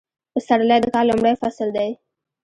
پسرلی د کال لومړی فصل دی